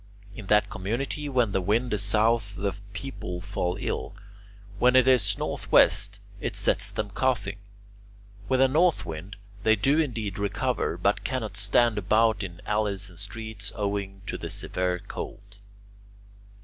In that community when the wind is south, the people fall ill; when it is northwest, it sets them coughing; with a north wind they do indeed recover but cannot stand about in the alleys and streets, owing to the severe cold.